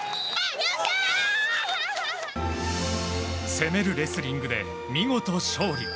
攻めるレスリングで見事勝利。